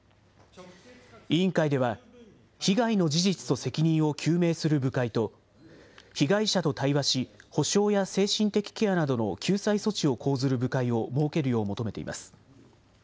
委員会では、被害の事実と責任を究明する部会と、被害者と対話し補償や精神的ケアなどの救済措置を講ずる部会を設けるよう求めています。